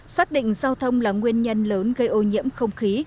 xác định giao thông là nguyên nhân lớn gây ô nhiễm không khí